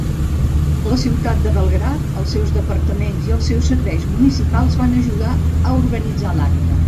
La ciutat de Belgrad, els seus departaments i els seus serveis municipals van ajudar a organitzar l'acte.